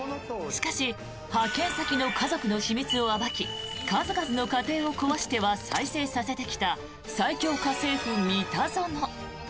しかし派遣先の家族の秘密を暴き数々の家庭を壊しては再生させてきた最恐家政夫、三田園。